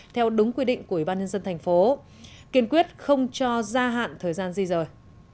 theo đúng quy định của ủy ban nhân dân thành phố kiên quyết không cho gia hạn thời gian di rời